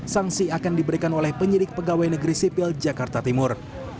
sanksi akan diberikan oleh penyidik pegawai negeri sipil jakarta timur